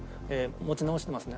持ち直してますね。